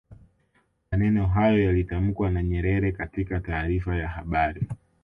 maneno hayo yalitamkwa na nyerere katika taarifa ya habari